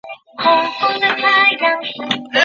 翌年省际联赛因战争临近而停顿。